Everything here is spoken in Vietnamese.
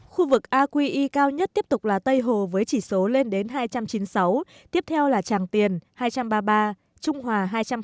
khu vực aqi cao nhất tiếp tục là tây hồ với chỉ số lên đến hai trăm chín mươi sáu tiếp theo là tràng tiền hai trăm ba mươi ba trung hòa hai trăm hai mươi